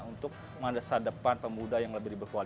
untuk mengandalkan depan pemuda yang lebih dibebaskan